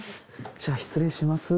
じゃあ失礼します。